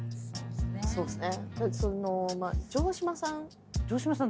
そうですね。